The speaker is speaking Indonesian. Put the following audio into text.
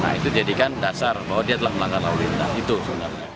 nah itu jadikan dasar bahwa dia telah melanggar lalu lintas